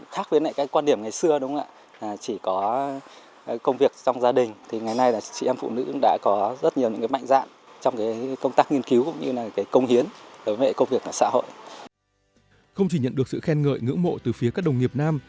không chỉ nhận được sự khen ngợi ngưỡng mộ từ phía các đồng nghiệp nam